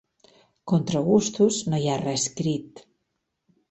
Contra gustos no hi ha res escrit.